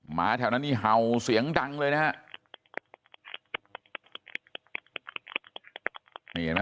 หมาแถวนั้นเนี่ยเห่าเสียงดังนะฮะ